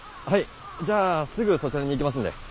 はいじゃあすぐそちらに行きますんで。